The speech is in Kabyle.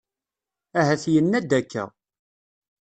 Ahat yenna-d akka.